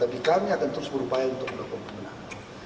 tapi kami akan terus berupaya untuk melakukan pemenang